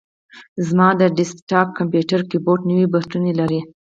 زما د ډیسک ټاپ کمپیوټر کیبورډ نوي بټنونه لري.